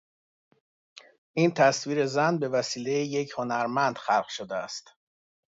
این تصویر زن بوسیله یک هنرمند خلق شده است.